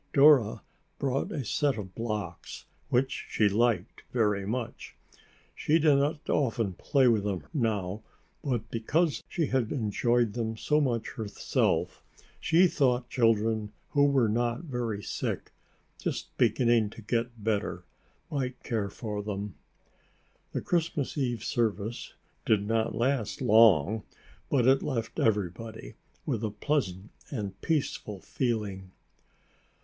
Dora brought a set of blocks, which she liked very much. She did not often play with them now, but because she had enjoyed them so much herself, she thought children who were not very sick—just beginning to get better—might care for them. The Christmas eve service did not last long, but it left everybody with a pleasant and peaceful feeling.